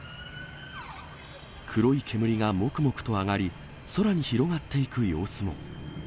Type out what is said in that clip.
黒い煙がもくもくと上がり、空に広がっていく様子も。